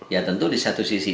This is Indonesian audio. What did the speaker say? ya tentu di satu sisi